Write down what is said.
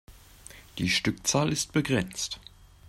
Die Stückzahl ist begrenzt.